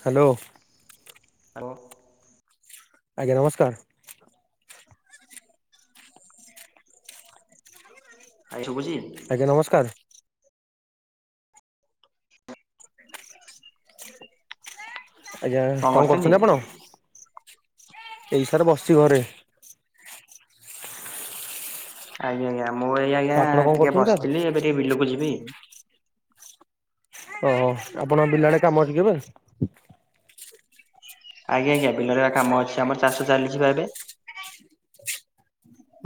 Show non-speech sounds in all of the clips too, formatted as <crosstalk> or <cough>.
Hello. Hello. ଆଜ୍ଞା ନମସ୍କାର୍। ଭାଇ ଶୁଭୁଛି? ନମସ୍କାର୍। <inaudible> <inaudible> ଆଜ୍ଞା, କଣ କରୁଛନ୍ତି ଆପଣ? ଏଇ ସାର୍ ବସିଛି ଘରେ। ଆଜ୍ଞା, ଆଜ୍ଞା ମୁଁ ଏଇ ଆଜ୍ଞା ଆପଣ କଣ ଟିକେ କରୁଛନ୍ତି ସାର୍? ବସିଥିଲି ଏବେ ଟିକେ ବିଲୁକୁ ଯିବି। ଅ ଆପଣ ବିଲ ଆଡ଼େ କାମ ରେ ଯିବେ। ଆଜ୍ଞା, ଆଜ୍ଞା ବିଲରେ କାମ ଅଛି ଆମର ଚାଷ ଚାଲିଛି ବା ଏବେ।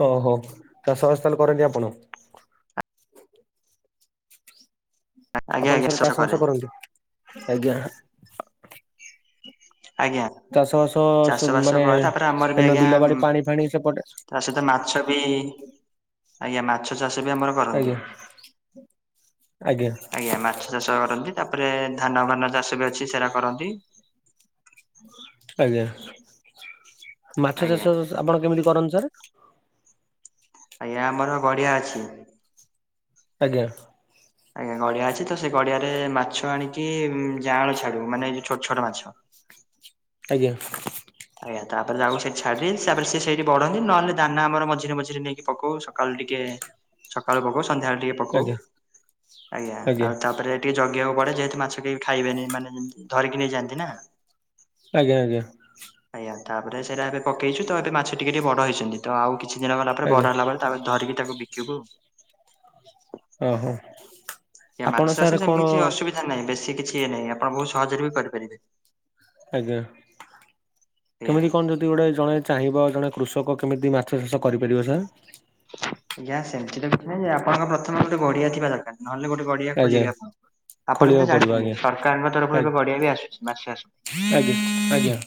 ଓହୋ ଚାଷ ବାସ ତାହେଲେ କରନ୍ତି ଆପଣ। ଆଜ୍ଞା ଆପଣ ଆଜ୍ଞା ସାର୍ ଚାଷ କରେ ବାସ କରନ୍ତି ଆଜ୍ଞା। ଆଜ୍ଞା। ଚାଷ ଚାଷ ବାସ ମାନେ କରେ ଏ ତାପରେ ଆମର ବି ନ ଆଜ୍ଞା ବିଲ ବାଡ଼ି ପାଣି ଫାଣି ସେପଟେ। ତା ସହିତ ମାଛ ବି ଆଜ୍ଞା ମାଛ। ଚାଷ ବି ଆମର କରନ୍ତି ଆଜ୍ଞା ଆଜ୍ଞା ଆଜ୍ଞା ମାଛ। ଚାଷ କରନ୍ତି ତାପରେ ଧାନ ଭାନ ଚାଷ ବି ଅଛି ସେଟା କରନ୍ତି। ଆଜ୍ଞା, ମାଛ ଆଜ୍ଞା ଚାଷ ଆପଣ କେମିତି କରନ୍ତି ସାର୍? ଆଜ୍ଞା ଆମର ଗଡ଼ିଆ ଅଛି। ଆଜ୍ଞା। ଆଜ୍ଞା ଗଡ଼ିଆ ଅଛି ତ ସେ ଗଡ଼ିଆରେ ମାଛ ଆଣିକି ଯାଆଁଳ ଛାଡିବୁ ମାନେ ଏଇ ଯୋଉ ଛୋଟ ଛୋଟ ମାଛ। ଆଜ୍ଞା। ଆଜ୍ଞା ତାପରେ ତାକୁ ସେଠି ଛାଡ଼ି ତାପରେ ସେଇଠି ବଡ଼ ହୋଇ ନହେଲେ ଦାନା ଆମର ମଝିରେ ମଝିରେ ନେଇକି ପକାଉ। ସକାଳୁ ଟିକେ ସକାଳୁ ପକାଉ ସନ୍ଧ୍ୟାବେଳେ ଟିକେ ପକାଉ ଆଜ୍ଞା ଆଜ୍ଞା ଆଉ ତାପରେ ଟିକେ ଜଗିବାକୁ ପଡ଼େ ଯେହେତୁ ମାଛ କେହି ଖାଇବେନି ମାନେ ଧରିକି ନେଇଯାଆନ୍ତି ନା। ଆଜ୍ଞା, ଆଜ୍ଞା। ଆଜ୍ଞା, ତାପରେ ସେଇଟା ଏବେ ପକେଇଛୁ ତ ଏବେ ମାଛ ଟିକେ ଟିକେ ବଡ଼ ହେଇଛନ୍ତି ତ ଆଉ କିଛି ଦିନ ଗଲା ପରେ ଆଜ୍ଞା ବଡ଼ ହେଲା ପରେ ତା ପରେ ଧରିକି ତାକୁ ବିକିବୁ। ଅହୋ ଆପଣ ସାର୍ କଣ? ନାଇଁ ବେଶୀ କିଛି ଇଏ ନାହିଁ ଆପଣ ବହୁତ ସହଜରେ ବି କରିପାରିବେ। ଆଜ୍ଞା, ଆଜ୍ଞା କେମିତି କଣ? କେମିତି ଜଣେ ଚାହିଁବ ଜଣେ କୃଷକ କେମିତି ମାଛ ଚାଷ କରିପାରିବ ସାର୍। ଆଜ୍ଞା ସେମିତି ତ କିଛି ନାଁଇ ଯେ ଆପଣଙ୍କ ପ୍ରଥମେ ଗୋଟେ ଗଡ଼ିଆ ଥିବା ଦରକାର ନହେଲେ ଗୋଟେ ଗଡ଼ିଆ ଆଜ୍ଞା ଖୋଲିବେ ଆପଣ। ଆପଣ ବି ତ ଖୋଳିବାକୁ ପଡିବ ଜାଣିଥିବେ ଆଜ୍ଞା ସରକାରଙ୍କ ତରଫରୁ ଏବେ ଆଜ୍ଞା ଗଡ଼ିଆ ବି ଆସୁଛି ମାଛ ଚାଷ ପାଇଁ। ଆଜ୍ଞା।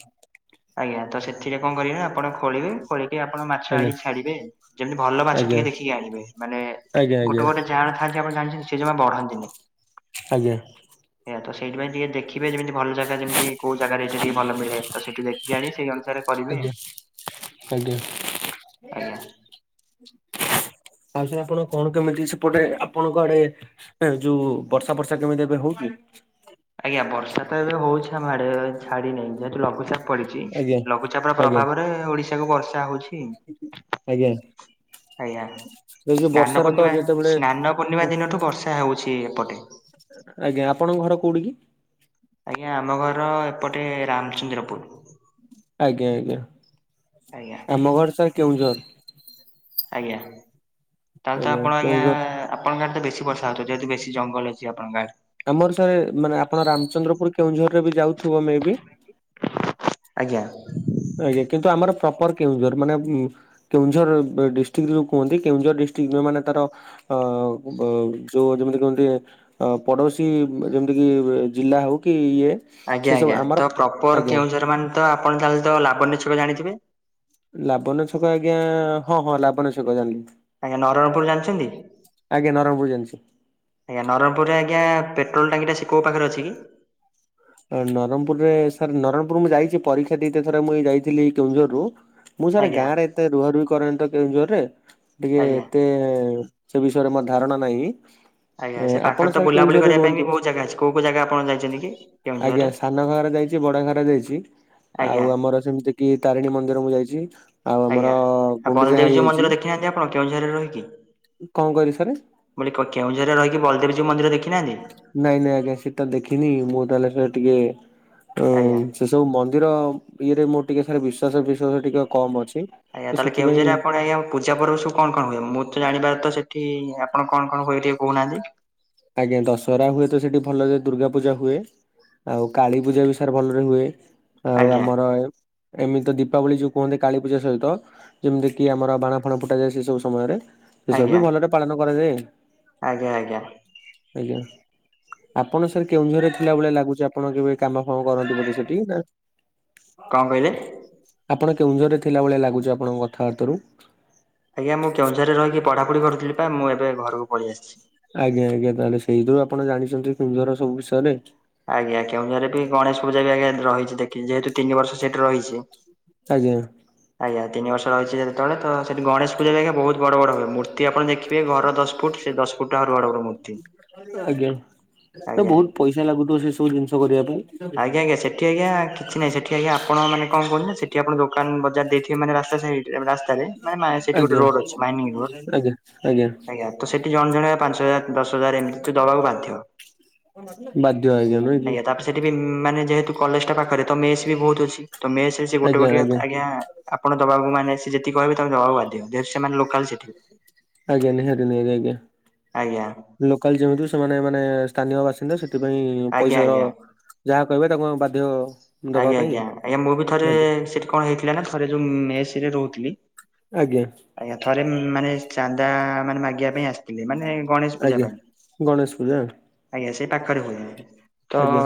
ଆଜ୍ଞା ତ ସେଥିରେ କଣ କରିବେ ଆପଣ ଖୋଳିବେ ଖୋଳିକି ଆପଣ ମାଛ ଆଜ୍ଞା। ଆଣିକି ଛାଡ଼ିବେ। ଭଲ ମାଛ ଟିକେ ଆଜ୍ଞା ଦେଖିକି ଆଣିବେ ମାନେ ଆଜ୍ଞା ଆଜ୍ଞା ଗୋଟେ ଆଜ୍ଞା ଗୋଟେ ଯେ <inaudible> ଆପଣ ଜାଣିଛନ୍ତି ସେ ଜମା ବଢନ୍ତିନି ଆଜ୍ଞା ଏ ତ ସେଇଥି ପାଇଁ ଟିକେ ଦେଖିବେ ଯେମିତି ଭଲ ଜାଗା ଯେମିତି କୋଉ ଜାଗାରେ ଏଇ ଟିକେ ଭଲ ମିଳେ ତ ସେଠି ଦେଖି ଆଣି ଅନୁସାରେ କରିବେ ଆଜ୍ଞା ଆଜ୍ଞା ଆଜ୍ଞା ଆଉ ସେ ଆପଣ କଣ କେମିତି ସେପଟେ ଆପଣଙ୍କ ଆଡେ ଯୋଉ ବର୍ଷା ଫରସା କେମିତି ଏବେ ହଉ ଆଜ୍ଞା ବର୍ଷା ତ ଏବେ ହଉଛି ଆମ ଆଡେ ଛାଡି ନେଇ ଯେହେତୁ ଲଘୁଚାପ ପଡିଛି ଆଜ୍ଞା ଲଘୁଚାପ ର ଆଜ୍ଞା ପ୍ରଭାବରେ ଓଡିଶା କୁ ବର୍ଷା ହଉଛି। ଆଜ୍ଞା ଆଜ୍ଞା ଏ ଯୋଉ ସ୍ନାନ ବର୍ଷାର ତ ପୂର୍ଣ୍ଣିମା ଯେତେବେଳେ ସ୍ନାନ ପୂର୍ଣ୍ଣିମା ଦିନଠୁ ବର୍ଷା ହଉଛି ଏପଟେ। ଆଜ୍ଞା ଆପଣଙ୍କ ଘର କୋଉଠି କି? ଆଜ୍ଞା ଆମ ଘର ଏପଟେ ରାମଚନ୍ଦ୍ରପୁର। ଆଜ୍ଞା ଆଜ୍ଞା ଆଜ୍ଞା ଆମ ଘର ସାର୍ କେଉଁଝର। ଆଜ୍ଞା ତାହେଲେ ତ ଆପଣ ଆଜ୍ଞା। ଆପଣଙ୍କ ଆଡେ ତ ବେସି ବର୍ଷା ହଉଥିବ ଯେହେତୁ ବେଶ ଜଙ୍ଗଲ ଅଛି ଆପଣଙ୍କ ଆମର ସାର୍ ମାନେ ଆପଣ ରାମଚନ୍ଦ୍ରପୁର କେଉଁଝର ରେ ବି ଯାଉଥିବ ମେ ବି। ଆଜ୍ଞା। ଆଜ୍ଞା କିନ୍ତୁ ଆମର ପ୍ରପର କେଉଁଝର ମାନେ କେଉଁଝର ଡିଷ୍ଟ୍ରିକ୍ଟ ଯୋଉ କୁହନ୍ତି କେଉଁଝର ଡିଷ୍ଟ୍ରିକ୍ ଯୋଉ ମାନ ତାର ଅ ବ ଯୋଉ ଯେମିତି କହନ୍ତି ପଡ଼ୋଶୀ ଯେମିତିକି ଜିଲ୍ଲା ହେଉ କି ଇଏ ସେ ଆଜ୍ଞା ସବୁ ଆଜ୍ଞା ଆମର ତ ପ୍ରପର ଆଜ୍ଞା କେଉଁଝର ମାନେ ତ ଆପଣ ତାହେଲେ ତ ଲାବନ୍ୟ ଛକ ଜାଣିଥିବେ। ଲାବଣ୍ୟ ଛକ ଆଜ୍ଞା ହଁ ହଁ ଲାବଣ୍ୟ ଛକ ଜାଣିଲି। ଆଜ୍ଞା ନରୟଣପୁର ଜାଣିଛନ୍ତି। ଆଜ୍ଞା ନରଣପୁର ଜାଣିଛି। ଆଜ୍ଞା ନରଣପୁରରେ ଆଜ୍ଞା ପେଟ୍ରୋଲ୍ ଟାଙ୍କି ଟା ସେ କୋଉ ପାଖରେ ଅଛି କି? ନରମପୁରରେ ସାର୍ ନରଣପୁର ମୁଁ ଯାଇଛି ପରୀକ୍ଷା ଦେଇତେ ଥରେ ମୁ ଏଇ ଯାଇଥିଲି କେଉଁଝର ରୁ। ମୁଁ ସାର୍ ଆଜ୍ଞା ଗାଁ ରେ ଏତେ ରୁହା ରୁହି କରରେ ନି ତ କେଉଁଝରରେ ଟିକେ ଆଜ୍ଞା ଏତେ ସେ ବିଷୟରେ ମୋର ଧାରଣା ନାହିଁ। ଆଜ୍ଞା ଏ, ସେ ଆପଣ ପାଖରେ ତ ସାର୍ ବୁଲାବୁଲି କେଉଁଝରରେ କରିବା ପାଇଁ ରୁହନ୍ତୁ ବି ବହୁତ ଜାଗା ଅଛି କୋଉ କୋଉ ଜାଗା ଆପଣ ଯାଇଛନ୍ତି କି? ଆଜ୍ଞା କେଉଁଝରରେ ସାନ ଘାଗରା ଯାଇଛି ବଡ ଘାଗରା ଯାଇଛି ଆଜ୍ଞା ଆଉ ଆମର ଯେମିତି କିି ତାରିଣୀ ମନ୍ଦିର ମୁ ଯାଇଛି। ଆଉ ଆମର ଆଜ୍ଞା ଆ ଗୁଣ୍ଡିଚା ବଲଦେବ ଘାଇ ଜିଉ ଯାଇଛି ମନ୍ଦିର ଦେଖିନାହାନ୍ତି ଆପଣ କେଉଁ ଜଝାଗରାରେ ରହିକି। କଣ କହିଲେ ସାରେ ମୁଁ ଲି କେଁଝରେ ରହିିକି ବଲଦେବ ଜୀଉ ମନ୍ଦିର ଦେଖିନାହାନ୍ତି। ନାଇଁ ନାଇଁ ଆଜ୍ଞା ସେଟା ଦେଖିନି ମୁଁ ତାହେଲେ ସେ ଟିକେ ଆଜ୍ଞା। ସେସବୁ ମନ୍ଦିର ଇଏରେ ମୋର ଟିକି ସାର ବିଶ୍ୱାସ ଫିଶ୍ୱାସ ଟିକେ କମ୍ ଅଛି। ଆଜ୍ଞା ତ ତାହଲେ ସେଥିପାଇଁ କେଉଁଝର ରେ ଆପଣ ଆଜ୍ଞା ପୂଜା ପର୍ବ ର ସବୁ କଣ କଣ ହୁଏ ମୁଁ ତ ଜାଣିବାର ତ ସେଠି ଆପଣ କଣ କଣ ହୁଏ ଟିକେ କହୁନାହାନ୍ତି। ଆଜ୍ଞା ଦଶହରା ହୁଏ ତ ସେଠି ଭଲ ଦୁର୍ଗା ପୂଜା ହୁଏ। ଆଉ କାଳୀ ପୂଜା ବି ସାର ଭଲରେ ହୁଏ ଆଉ ଆଜ୍ଞା ଆମର ଏମିତି ଦୀପାବଳି ଯୋଉ କୁହନ୍ତି କାଳୀ ପୂଜା ସହିତ ଯେମିତି କି ଆମର ବାଣ ଫାଣ ଫୁଟା ଯାଏ ସେ ସବୁ ସମୟରେ ସେ ସବୁ ଆଜ୍ଞା ବି ଭଲରେ ପାଳନ କରାଯାଏ। ଆଜ୍ଞା ଆଜ୍ଞା। ଆଜ୍ଞା। ଆପଣ ସାର୍ କେଉଁଝରରେ ଥିଲା ଭଳିଆ ଲାଗୁଛି ଆପଣ କେବେ କାମ ଫାମ କରନ୍ତି ବୋଧେ ସେଠି ନା କଣ କହିଲେ? ଆପଣ କେଉଁଝରରେ ଥିଲା ଭଳିଆ ଲାଗୁଛି ଆପଣଙ୍କ କଥାବାର୍ତ୍ତ ରୁ। ଆଜ୍ଞା ମୁଁ କେଉଁଝରେ ରହିିକି ପଢାପଢି କରୁଥିଲି ବା ମୁଁ ଏବେ ଘରକୁ ପଳେଇ ଆସିଛି। ଆଜ୍ଞା ଆଜ୍ଞା ତାହେଲେ ସେଇଥିରୁ ଆପଣ ଜାଣିଛନ୍ତି କେଉଁଝର ସବୁ ବିଷୟରେ। ଆଜ୍ଞା କେଁଉଁଝର ରେ ବି ଗଣେଶ ପୂଜା ବି ଆଜ୍ଞା ରହିଛି ଦେଖିଚି ଯେହେତୁ ତିନି ବର୍ଷ ସେଇଠି ରହିଛି। ଆଜ୍ଞା। ଆଜ୍ଞା ତିନି ବର୍ଷ ରହିଛି ଯେତବେଳେ ତ ସେଠି ଗଣେଶ ପୂଜା ବି ଆଜ୍ଞା ବହୁତ ବଡ଼ ବଡ଼ ହୁଏ ମୂର୍ତ୍ତି ଆପଣ ଦେଖିବେ ଘର ଦଶ ଫୁଟ୍ ସେ ଦଶ ଫୁଟ୍ ଆହୁରି ବଡ ବଡ ମୂର୍ତ୍ତି। ଆଜ୍ଞା ତ ଆଜ୍ଞା ବହୁତ ପଇସା ଲାଗୁଥିବ ସେ ସବୁ ଜିନିଷ କରିବା ପାଇଁ। ଆଜ୍ଞା ଆଜ୍ଞା ସେଠି ଆଜ୍ଞା କିଛି ନାହିଁ ସେଠି ଠି ଆଜ୍ଞା ଆପଣ ମାନେ କଣ କୁହନି ସେଠି ଆପଣ ଦୋକାନ ବଜାର ଦେଇଥିବେ ମାନେ ରାସ୍ତା ସାଇଟ ରାସ୍ତାରେ ମାନେ ମା ସେଠି ଗୋଟେ ଆଜ୍ଞା ରୋଡ ଅଛି ମାଇନିଂ ରୋଡ ଆଜ୍ଞା ତ ସେଠି ଜଣେ ଜଣେ ପାଞ୍ଚ ହଜାର ଦଶ ହଜାର ଏମିତି ତୁ ଦବାକୁ ବାଧ୍ୟ। ବାଧ୍ୟ ଆଜ୍ଞା ନୁହେଁ କି। ସେଠି ବି ମାନେ ଯେହେତୁ କଲେଜ ଟା ପାଖରେ ତ ମେସ୍ ବି ବହୁତ ଅଛି ତ ମେସ୍ ଗୋଟେ ଗୋଟେ ଆଜ୍ଞା ଆପଣ ଦବାକୁ ମାନେ ସେ ଯେତିିକି କହିବେ ତାକୁ ଦବାକୁ ବାଧ୍ୟ ଯେହେତୁ ସେମାନେ ଲୋକାଲ ସେଠି। ଆଜ୍ଞା ନିହାତି ନିହାତି ଆଜ୍ଞା ଆଜ୍ଞା। ଲୋକାଲ ଯେହେତୁ ସେମାନେ ମାନେ ସ୍ଥାନୀୟ ବାସିନ୍ଦା ସେଥିପାଇଁ ଆଜ୍ଞା ପଇସାର ଆଜ୍ଞା। ଯାହା କହିବେ ତାକୁ ଆମେ ବାଧ୍ୟ ଦବା ଆଜ୍ଞା ପାଇଁ ଆଜ୍ଞା ଆଜ୍ଞା ମୁଁ ବି ଥରେ ଆଜ୍ଞା ସେଠି କଣ ହେଇଥିଲା ନା ଥରେ ଯୋଉ ମେସ୍ ରେ ରହୁଥିଲି ଆଜ୍ଞା। ଆଜ୍ଞା ଥରେ ମାନେ ଚାନ୍ଦା ମାନେ ମାଗିବା ପାଇଁ ଆସିଥିଲେ ମାନେ ଗଣେଶ ପୂଜା ଆଜ୍ଞା। ପାଇଁ ଗଣେଶ ପୂଜା ଆଜ୍ଞା ସେହି ପାଖରେ ହୁଏ। ତ ଆଜ୍ଞା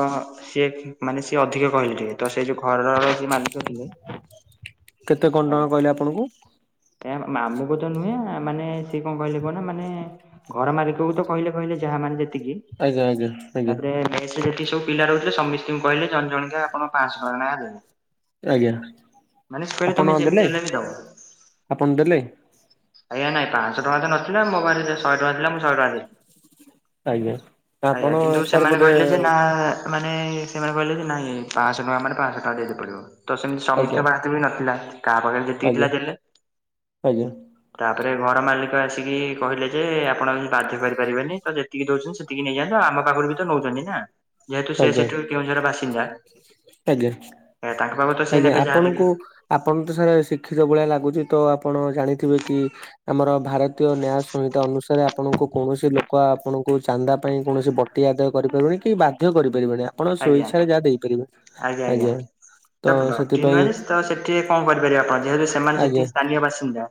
ସିଏ ମାନେ ସିଏ ଅଧିକ କହିଲେ ଟିକେ ତ ସେ ଯଉ ଘରର ସେ ମାଲିକ ଥିଲେ କେତେ କଣ ଟଙ୍କା କହିଲେ ଆପଣଙ୍କୁ? ଆଜ୍ଞା ମାମୁଁ କୁ ତ ନୁହେଁ ମାନେ ସିଏ କଣ କହିଲେ କୁହନା ମାନେ ଘର ମାଲିକକୁ ତ କହିଲେ କହିଲେ ଯାହା ମାନେ ଯେତିକି ଆଜ୍ଞା -ଆଜ୍ଞା -ଆଜ୍ଞା। ମେସ୍ ରେ ଯେତିକି ସବୁ ପିଲା ରହୁଥିଲେ ସମିସ୍ତିଙ୍କୁ କହିଲେ ଜଣ ଜଣିକା ଆପଣ ପାଁ ଶ ଟଙ୍କା ନାଖେ ଦେବେ। ଆଜ୍ଞା ମାନେ ସେ କହିଲେ ଆପଣ ତମେ ଦେଲେ ଯେମିତି ହେଲେ ବି ଦବ। ଆପଣ ଦେଲେ? ଆଜ୍ଞା ନାଇଁ ପାଁ ଶ ଟଙ୍କା ତ ନଥିଲା ମୋ ପାଖରେ ଶହେ ଟଙ୍କା ଥିଲା ମୁଁ ଶହେ ଟଙ୍କା ଦେଲି। ଆଜ୍ଞା। ଆପଣ ଆଜ୍ଞା କିନ୍ତୁ ସାର୍ ସେମାନେ ବୋଧେ କହିଲେ ଯେ ନା ଆ- ମାନେ ସେମାନେ କହିଲେ ଯେ ନାଇଁ ପାଁ ଶ ଟଙ୍କା ମାନେ ପାଁ ଶ ଟଙ୍କା ଦେଇତେ ପଡିବ ତ ସେମିତି ଆଜ୍ଞା ସମସ୍ତେ ବି ନଥିଲା କାହା ପାଖେରେ ଆଜ୍ଞା -ଆଜ୍ଞା। ତାପରେ ଘର ମାଲିକ ଆସିକି କହିଲେ ଯେ ଆପଣ ବାଧ୍ୟ କରିପାରିବେନି ତ ଯେତିକି ଦଉଚନ୍ତି ସେତିକି ନେଇଯାନ୍ତୁ ଆମ ପାଖରୁ ବି ତ ନଉଚନ୍ତି ନା। ଯେହେତୁ ସେ ଆଜ୍ଞା ସେଠୁ କେଉଁଝର ବାସିନ୍ଦା ଆଜ୍ଞା। ତାଙ୍କ ପାଖରୁ ତ ସେ ଆଜ୍ଞା ନେବେ ଯାହାବି ଆପଣଙ୍କୁ ହେଲେ। ଆପଣ ତ ସାର୍ ଶିକ୍ଷିତ ଭଳିଆ ଲାଗୁଚି ତ ଆପଣ ଜାଣିଥିବେ କି ଆମର ଭାରତୀୟ ନ୍ୟାୟ ସଂହିତା ଅନୁସାରେ ଆପଣଙ୍କୁ କୌଣସି ଲୋକ ଆପଣଙ୍କୁ ଚାନ୍ଦା ପାଇଁ କୌଣସି ବ ଟି ଆଦାୟ କରିପାରିବନି କି ବାଧ୍ୟ କରିପାରିବେନି ଆପଣ ଆଜ୍ଞା। ସ୍ୱଇଚ୍ଛାରେ ଯାହା ଦେଇପାରିବେ- ଆଜ୍ଞା। ତ ତ-ବଟି ସେଥିପାଇଁ ମାନେ ସେ ତ ସେଠି କଣ କରିପାରିବେ ଆପଣ ଯେହେତୁ ସେମାନେ ଆଜ୍ଞା ସେଠି ସ୍ଥାନୀୟ ବାସିନ୍ଦା।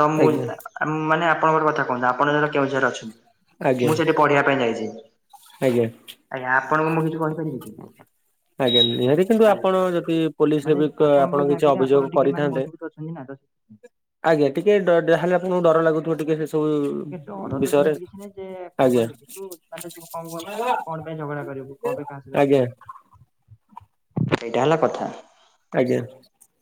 ତ ମୁଁ ଆଜ୍ଞା ଆ- ମାନେ ଆପଣଙ୍କର କଥା କୁହନ୍ତୁ ଆପଣ ଧର କେଉଁଝର ରେ ଆଜ୍ଞା ଅଛନ୍ତି ମୁଁ ସେଠି ପଢିବା ପାଇଁ ଯାଇଚି ଆଜ୍ଞା। ଆଜ୍ଞା ଆପଣଙ୍କୁ ମୁଁ କିଛି କହିପାରିବି କି? ଆଜ୍ଞା ନିହାତି କିନ୍ତୁ ଆପଣ ଆଜ୍ଞା ଯଦି ପୋଲିସ୍ ରେ ମାନେ ବି ଆପଣଙ୍କ ଆପଣ କିଛି ଜାଗାରେ ଆପଣ ଅଭିଯୋଗ ଟିକେ ମାନେ କରିଥାନ୍ତେ ମଜବୁତ ଅଛନ୍ତି ନା ତ ଆଜ୍ଞା ଟିକେ ଡ- ଯାହେଲେ ଆପଣଙ୍କୁ ଡର ଲାଗୁଥିବ ଟିକେ ସେ ସବୁ କିନ୍ତୁ ଡର ତ ବିଷୟରେ ସେମିତି କିଛି ନାହିଁ ଯେ କଣ ଆଜ୍ଞା କରିବେକି କିନ୍ତୁ ମାନେ ତୁ କଣ କୁହନ୍ତି ନା ମାନେ କଣ ପାଇଁ ଝଗଡା କରିବୁ କଣ ପାଇଁ କାହା ସହ ଆଜ୍ଞା। ଏଇଟା ହେଲା କଥା। ଆଜ୍ଞା।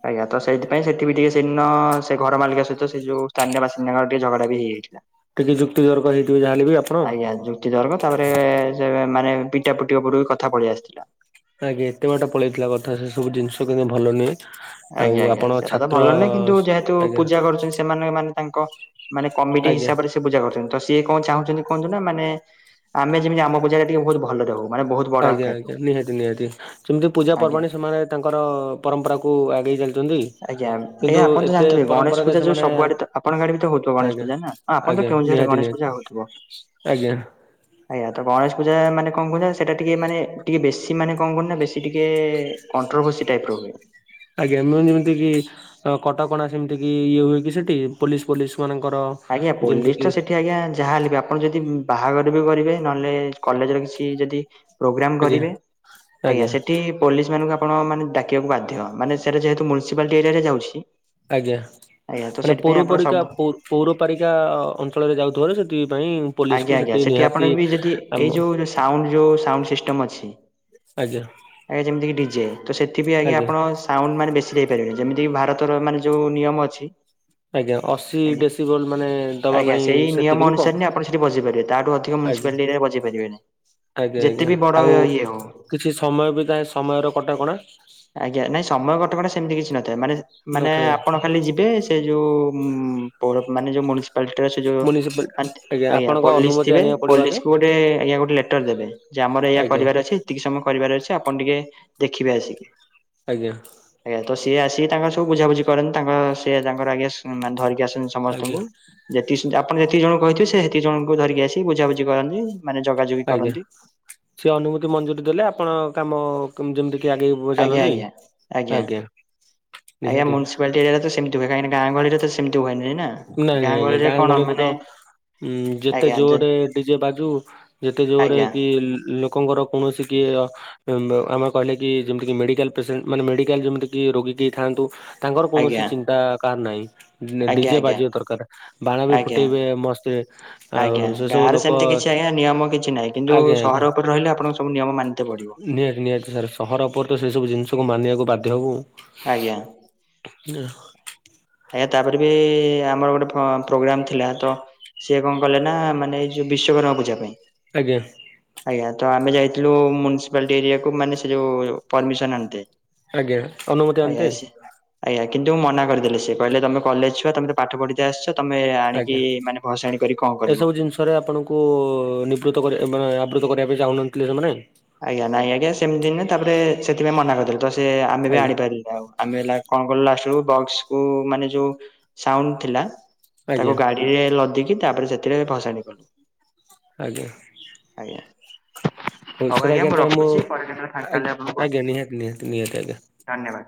ଆଜ୍ଞା ତ ସେଇଥିପାଇଁ ସେଠି ବି ଟିକେ ସେଦିନ ସେ ଘର ମାଲିକ ସହିତ ସେ ଯଉ ସ୍ଥାନୀୟ ବାସିନ୍ଦାଙ୍କ ଟିକେ ଝଗଡା ବି ହେଇଯାଇଥିଲା। ଟିକେ ଯୁକ୍ତିତର୍କ ହେଇଥିବ ଯାହାହେଲେ ବି ଆପ୍ ଆଜ୍ଞା ଯୁକ୍ତିତର୍କ ତାପରେ ସେ ମାନେ ପିଟା ପୁଟି ଉପରକୁ କଥା ପଳେଇ ଆସିଥିଲା। ଆଜ୍ଞା ଏତେ ବାଟ ପଳେଇଥିଲା କଥା ସେ ସବୁ ଜିନିଷ କିନ୍ତୁ ଭଲ ନୁହେଁ। ଆଉ ଆଜ୍ଞା ଆଜ୍ଞା ଆପଣ ସେଟା ତ ଛାତ୍ର ଭଲ ନୁହେଁ କିନ୍ତୁ ଯେହେତୁ ଆଜ୍ଞା ପୂଜା କରୁଚନ୍ତି ସେମାନେ ମାନେ ତାଙ୍କ ମାନେ କମିଟି ଆଜ୍ଞା ହିସାବରେ ସେ ସେ ପୂଜା କରୁଚନ୍ତି ତ ସିଏ କଣ ଚାହୁଁଚନ୍ତି କୁହନ୍ତୁ ନା ମାନେ ଆମେ ଯେମିତି ଆମ ପୂଜା ଟା ଟିକେ ବହୁତ୍ ଭଲରେ ହଉ। ମାନେ ବହୁତ ବଡ ଆଜ୍ଞା ଆକାରରେ ହଉ। ଆଜ୍ଞା ନିହାତି ନିହାତି ଯେମିତି ପୂଜା ଆଜ୍ଞା ପର୍ବାଣି ସେମାନେ ତାଙ୍କର ପରମ୍ପରାକୁ ଆଗେଇ ଚାଲି ଆଜ୍ଞା ଏୟା ଆପଣ ତ ଜାଣିିଥିବେ ଗଣେଶ ପରମ୍ପରାରେ ପୂଜା ଯଉ ସେମାନେ ସବୁଆଡେ ତ ଆପଣଙ୍କ ଆଡେ ତ ହଉଥିବ ଗଣେଶ ଆଜ୍ଞା ପୂଜା ନା? ହଁ- ଆପଣ ତ ଆଜ୍ଞା କେଉଁଝରରେ ନିହାତି ଗଣେଶ ନିହାତି ପୂଜା ହଉଥିବ। ଆଜ୍ଞା। ଆଜ୍ଞା ତ ଗଣେଶ ପୂଜା ମାନେ କଣ କୁହ ସେଇଟା ଟିକେ ମାନେ ଟିକେ ବେଶୀ ମାନେ କଣ କୁହ ନା ବେଶୀ ଟିକେ କଣ୍ଟ୍ରୋଭର୍ସି ଟାଇପ୍ ର ହୁଏ। ଆଜ୍ଞା ମୁଁ ଯେମିତି କିି କଟକଣା ସେମିତି କିି ଇଏ ହୁଏ କି ସେଠି ପୋଲିସ୍ ଫୋଲିସ୍ ମାନଙ୍କର? ଆଜ୍ଞା ଯେମିତି ପୋଲିସ କିି ତ ସେଠି ଆଜ୍ଞା ଯାହା ହେଲେ ବି ଆପଣ ଯଦି ବାହାଘର ବି କରିବେ ନହେଲେ କଲେଜରେ କିଛି ଯଦି ପ୍ରୋଗ୍ରାମ୍ ଆଜ୍ଞା କରିବେ ଆଜ୍ଞା ସେଠି ପୋଲିସ୍ ମାନଙ୍କୁ ଆପଣ ମାନେ ଡାକିବାକୁ ବାଧ୍ୟ ମାନେ ସେଟା ଯେହେତୁ ମୁନସିପାଲ୍ଟି ଏରିଆ ରେ ଯାଉଚି ଆଜ୍ଞା ମାନେ ପୌରପାରିକା ସବୁ ପୋ ପୌରପାରିକା ଅଞ୍ଚଳରେ ଯାଉଥିବାରୁ ସେଥିପାଇଁ ପୋଲିସକୁ ଆଜ୍ଞା, ଆଜ୍ଞା ସେଠି ନିହାତି ଆପଣ ବି ଯଦି ଆମ ଏଇ ଯୋଉ ସାଉଣ୍ଡ ଯୋଉ ସାଉଣ୍ଡ ସିଷ୍ଟମ୍ ଅଛି। ଆଜ୍ଞା। ଆଜ୍ଞା, ଯେମିତିକି ଡିଜେ ତ ସେଥି ବିି ଆଜ୍ଞା ଆପଣ ସାଉଣ୍ଡ ମାନେ ବେଶୀ ହେଇପାରିବେନି। ଯେମିତି ଭାରତର ମାନେ ଯୋଉ ନିୟମ ଅଛି। ଆଜ୍ଞା ଅଶୀ ଆଜ୍ଞା ଡେସିିବଲ୍ ମାନେ ଦବା ଆଜ୍ଞା ପାଇଁ ସେଇ ନିୟମ ସେତିକିରୁ ଅନୁସାରେ କମ୍। ହିଁ ଆପଣ ସେଠି ବଜେଇ ପାରିବେ। ତାଠୁ ଅଧିକ ଆଜ୍ଞା ମୁୁନିସିପାଲିଟି ଏରିଆରେ ବଜେଇ ପାରିବେନି। ଆଜ୍ଞା, ଯେତେ ଆଜ୍ଞା ବି ବଡ଼ ଆଉ ଇଏ ହଉ କିଛି ସମୟ ବି ତାଏ ସମୟର କଟକଣା। ଆଜ୍ଞା ନାଇଁ ସମୟ କଟକଣା ସେମିତି କିଛି ନଥାଏ। ମାନେ ମାନେ ନଥାଏ ଆପଣ ଖାଲି ଯିବେ ସେ ଯୋଉ ଉଁ, ପୌର ମାନେ ଯୋଉ ମୁନିସିପାଲିଟି ଟା ସେ ଯୋଉ ମୁନିସିପାଲ ଆଣ୍ଟ୍ ଆଜ୍ଞା ଆପଣଙ୍କ ପୋଲିସ୍ ଅନୁମତି ଥିବେ। ଆଣିବାକୁ ପଡିବ ପୋଲିସ୍ ଆଗେ କୁ ଗୋଟେ ଆଜ୍ଞା ଗୋଟେ ଲେଟର୍ ଦେବେ ଯେ ଆମର ଏଇୟା ଆଜ୍ଞା କରିବାର ଅଛି। ଏତିକି ସମୟ କରିବାର ଅଛି ଆପଣ ଟିକେ ଦେଖିବେ ଆସିକି। ଆଜ୍ଞା। ଆଜ୍ଞା ତ ସିଏ ଆସିକି ତାଙ୍କର ସବୁ ବୁଝାବୁଝି କରନ୍ତି। ତାଙ୍କ ସେ ତାଙ୍କର ଆଜ୍ଞା ଏ ମାନେ ଧରିକି ଆସନ୍ତି ଆଜ୍ଞା ସମସ୍ତଙ୍କୁ ଯେତିକି ସି- ଆପଣ ଯେତିକି ଜଣ କହିଥିବେ ସେ ତିକି ଜଣଙ୍କୁ ଧରିକି ଆସି ବୁଝାବୁଝି କରନ୍ତି ମାନେ ଜଗା ଜଗି ଆଜ୍ଞା କରନ୍ତି। ସେ ଅନୁମତି ମଞ୍ଜୁରୀ ଦେଲେ ଆପଣ କାମ କିମ୍ ଯେମିତି କି ଆଗେଇ ଆଜ୍ଞା ବ-ଚାଲନ୍ତି ଆଜ୍ଞା ଆଜ୍ଞା, ନିହାତି। ଏବେ କାହିଁକି ନା ଗାଁ ଗହଳି ରେ ତ ସି ସେମତି ହୁଏ ନାଇ ନା। ନାଇଁ ଗାଁ ନାଇଁ ଆଜ୍ଞା ଗହଳିରେ ଗାଁ କଣ ଗହଳିରେ ମାନେ ତ ଉଁ, ଯେତେ ଆଜ୍ଞା ଯ ଜୋରରେ ଡିଜେ ବାଜୁ ଯେତେ ଜୋରରେ ଆଜ୍ଞା କି ଲୋ କଙ୍କର କୌଣସି କି ଅ ଏମ୍ବ ଆମର କହିଲେ କି ଯେମିତି ମେଡିକାଲ୍ ପେସେଣ୍ଟ, ମାନେ ମେଡିକାଲ୍ ଯେମିତିକି ରୋଗୀ ଟି ଥାଆନ୍ତୁ। ତାଙ୍କର କୌଣସି ଆଜ୍ଞା ଚିନ୍ତା କାଆର ନାଇ। ନେ ଆଜ୍ଞା ଡିଜେ ବା ଆଜ୍ଞା ଯେ ଦରକାର ବାଣ ବି ଆଜ୍ଞା ଫୁଟେଇବେ ମସ୍ତେ, ଆଉ ଆଜ୍ଞା ସେ ସବୁ ଗାଁରେ ଲୋକ ସେମିତି କିଛି ଆଜ୍ଞା ନିୟମ କିଛି ନାହିଁ କିନ୍ତୁ ଆଜ୍ଞା, ସହର ଆଜ୍ଞା ଉପରେ ରହିଲେ ଆପଣଙ୍କୁ ସବୁ ନିୟମ ମାନିତେ ପଡିବ। ନିହାତି, ନିହାତି ସାର୍। ସହର ଉପରେ ତ ସେ ସବୁ ଜିନିଷକୁ ମାନିବାକୁ ବାଧ୍ୟ ହବୁ। ଆଜ୍ଞା। ନେହ ଆଜ୍ଞା ତାପରେ ବି ଆମର ଗୋଟେ ଫ- ପ୍ରୋଗ୍ରାମ ଥିଲା ତ ସିଏ କଣ କଲେ ନା ମାନେ ଏଇ ଯୋଉ ବିଶ୍ଵକର୍ମା ପୂଜା ପାଇଁ। ଆଜ୍ଞା। ଆଜ୍ଞା ତ ଆମେ ଯାଇଥିଲୁ ମୁନିସିପାଲିଟି ଏରିଆକୁୁ ମାନେ ସେ ଯୋଉ ପରମିସନ୍ ଆଣିତେ। ଆଜ୍ଞା ଅନୁମତି ଆଜ୍ଞା ଆଣିତେ। ସେ ଆଜ୍ଞା କିନ୍ତୁ ମନା କରିଦଲେ ସେ। କହିଲେ ତୋମେ କଲେଜ୍ ଛୁଆ ତୋମେ ତ ପାଠ ପଢିତେ ଆସ ତୋମେ ଆଣିକି ମାନେ ଭସାଣି କରି କଣ କରିବ? ଥରେ ଆପଣଙ୍କୁ ନିବୃତ୍ତ କରିବା ଏ ମାନେ ଆବୃତ କରିବା ପାଇଁ ଚାହୁଁ ନଥିଲେ ସେମାନେ। ଆଜ୍ଞା ନାଇଁ ଆଜ୍ଞା ସେମିତି ନୁହେଁ। ତାପରେ ସେଥିପାଇଁ ମନା କରିଦେଲେ ତ ସେ ଆମେ ବି ଆଜ୍ଞା। ଆଣିପାରି ଆଉ ଆମେ ହେଲା କଣ କଲୁୁ ଲାଷ୍ଟ କୁ ବକ୍ସ କୁ ମାନେ ଯୋଉ ସାଉଣ୍ଡ ଥିଲା ଆଜ୍ଞା ତାକୁ ଗାଡିରେ ଲଦିକି ତାପରେ ସେଥିରେ ଭସାଣି କଲୁ। ଆଜ୍ଞା। ଆଜ୍ଞା। <inaudible> ହଉ ହୁସରେ ଆଜ୍ଞା ଥରେ ମୁଁ <inaudible> ରଖୁଛି ପରେ କେତେବେଳେ ଫାଙ୍କା ହେଲେ ଆଜ୍ଞ, ଆପଣଙ୍କୁ କଲ୍ ଆଜ୍ଞା କରିବି ନିହାତି, ନିହାତି, ନିହାତି ଆଜ୍ଞା। <inaudible> ଧନ୍ୟବାଦ।